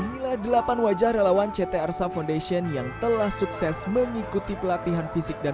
inilah delapan wajah relawan ct arsa foundation yang telah sukses mengikuti pelatihan fisik dan